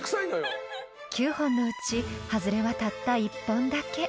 ［９本のうちハズレはたった１本だけ］